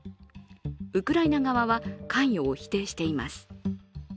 ウクライナ側は関与を否定しています。